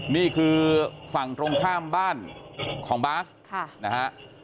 นี่คือฝั่งตรงข้ามบ้านของบาสนะฮะ